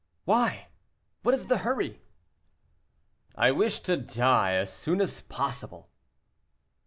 '" "Why! what is the hurry?" "I wish to die as soon as possible."